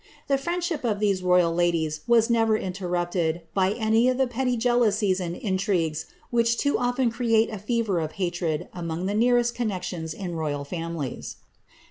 The friendship « these royal ladies was never interrupted by any of the petty jealooMi and intrigues which too often create a fever of hatred among the neaiot connexions in roval families.